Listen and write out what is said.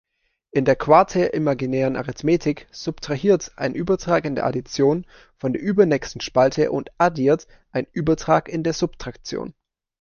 In der quater-imaginären Arithmetik „subtrahiert“ ein „Übertrag in der Addition“ von der übernächsten Spalte und „addiert“ ein „Übertrag in der Subtraktion“.